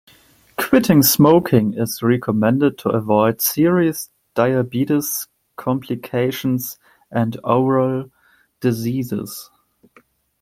Quitting smoking is recommended to avoid serious diabetes complications and oral diseases.